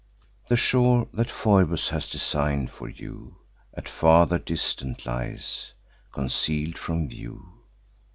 The shore that Phoebus has design'd for you, At farther distance lies, conceal'd from view.